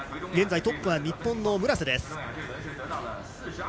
現在トップは日本の村瀬です。